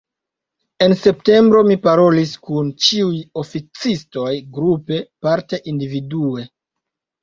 En septembro mi parolis kun ĉiuj oficistoj grupe, parte individue.